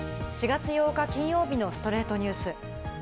４月８日、金曜日の『ストレイトニュース』。